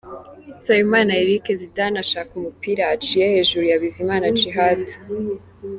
Nsabimana Eric Zidane ashaka umupira aciye hejuru ya Bizimana Djihad.